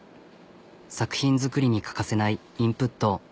作品作りに欠かせないインプット。